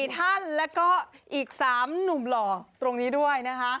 ๔ท่านแล้วก็อีก๓หนุ่มหล่อตรงนี้ด้วยนะคะ